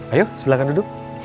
ayo silakan duduk